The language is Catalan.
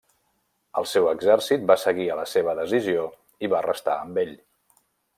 El seu exèrcit va seguir a la seva decisió i va restar amb ell.